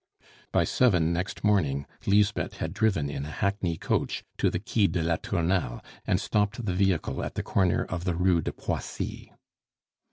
By seven next morning Lisbeth had driven in a hackney coach to the Quai de la Tournelle, and stopped the vehicle at the corner of the Rue de Poissy.